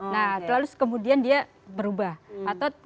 nah terus kemudian dia berubah atau melihat anak kecil